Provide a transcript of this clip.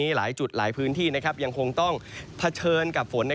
หลายจุดหลายพื้นที่ยังคงต้องเผชิญกับฝน